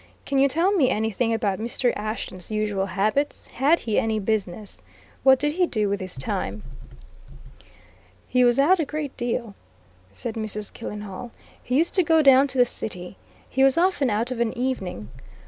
Can you tell me anything about Mr. Ashton's usual habits? Had he any business? What did he do with his time?" "He was out a great deal," said Mrs. Killenhall. "He used to go down to the City. He was often out of an evening.